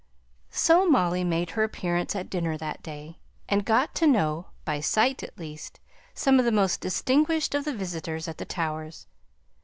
So Molly made her appearance at dinner that day; and got to know, by sight at least, some of the most distinguished of the visitors at the Towers.